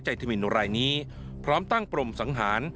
ธมินรายนี้พร้อมตั้งปรมสังหาร